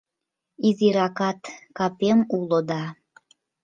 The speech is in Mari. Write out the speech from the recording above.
Изиракат капем уло да